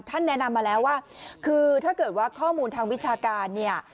แนะนำมาแล้วว่าคือถ้าเกิดว่าข้อมูลทางวิชาการเนี่ย